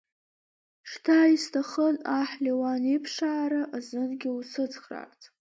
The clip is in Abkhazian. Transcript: Шьҭа исҭахын аҳ Леуан иԥшаара азынгьы усыцхраарц.